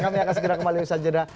kami akan segera kembali bersajar ya